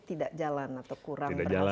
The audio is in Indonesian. tidak jalan atau kurang berhasil